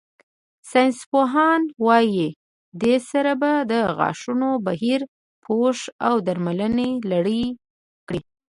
ساینسپوهان وايي، دې سره به د غاښونو بهرني پوښ او درملنې لړ کې